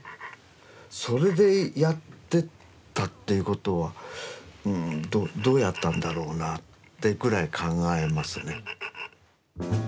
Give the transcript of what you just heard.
それでやってったっていうことはうんどうやったんだろうなってぐらい考えますね。